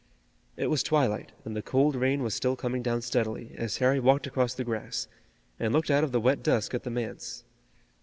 It was twilight and the cold rain was still coming down steadily, as Harry walked across the grass, and looked out of the wet dusk at the manse.